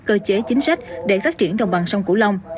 cơ chế chính sách để phát triển đồng bằng sông cửu long